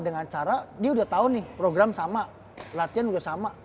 dengan cara dia udah tau nih program sama latihan udah sama